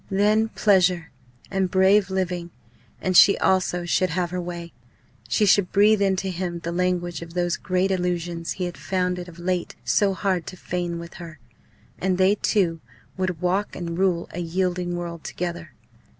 Then pleasure and brave living! And she also should have her way. She should breathe into him the language of those great illusions he had found it of late so hard to feign with her; and they two would walk and rule a yielding world together.